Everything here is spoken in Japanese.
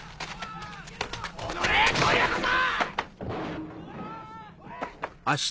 おのれ今夜こそ！